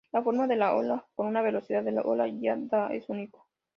La forma de la ola por una velocidad de ola ya dada es único.